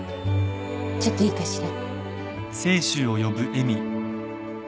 ちょっといいかしら？